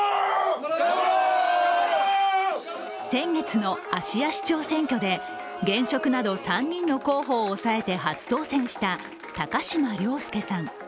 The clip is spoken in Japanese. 先月の芦屋市長選挙で現職など３人の候補を押さえて、初当選した高島崚輔さん。